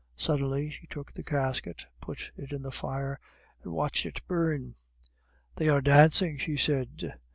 Suddenly she took the casket, put it in the fire, and watched it burn. "They are dancing," she said.